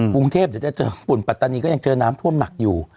ภูมิเธคเหลือได้เจอภูมิปัตตานีก็ยังเจอน้ำถ้วมหนักอยู่